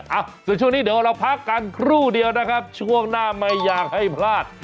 อ่ะส่วนช่วงนี้เดี๋ยวเราพักกันครู่เดียวนะครับช่วงหน้าไม่อยากให้พลาด